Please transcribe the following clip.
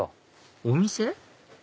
お店？